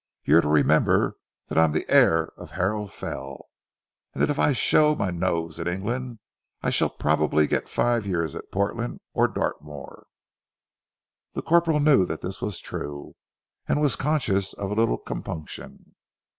You've to remember that I'm the heir of Harrow Fell, and that if I show my nose in England I shall probably get five years at Portland or Dartmoor." The corporal knew that this was true, and was conscious of a little compunction.